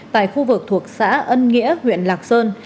tại khu vực thuộc xã ân nghĩa huyện lạc sơn